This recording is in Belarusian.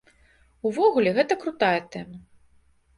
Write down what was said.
Увогуле, гэта крутая тэма.